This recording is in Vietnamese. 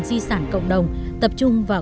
di sản cộng đồng tập trung vào